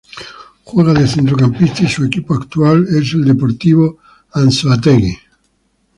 Juega de centrocampista y su equipo actual es el Deportivo Anzoátegui.